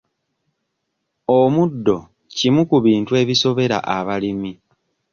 Omuddo kimu ku bintu ebisobera abalimi.